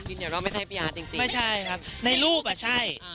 ยิ่งเดี๋ยวเราไม่ใช่พี่อาร์ดจริงค่ะไม่ใช่ครับในรูปอะใช่